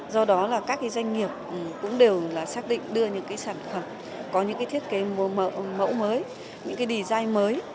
do đó là các cái doanh nghiệp cũng đều là xác định đưa những cái sản phẩm có những cái thiết kế mẫu mới những cái design mới